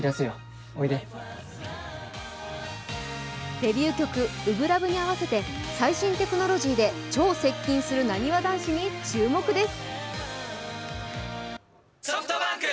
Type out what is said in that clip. デビュー曲「初心ＬＯＶＥ」に合わせて最新テクノロジーで超接近する、なにわ男子に注目です。